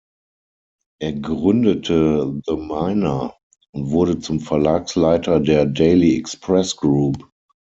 Er gründete "The Miner" und wurde zum Verlagsleiter der "Daily Express Group".